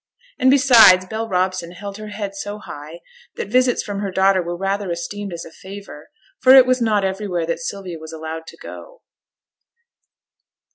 And besides, Bell Robson held her head so high that visits from her daughter were rather esteemed as a favour, for it was not everywhere that Sylvia was allowed to go.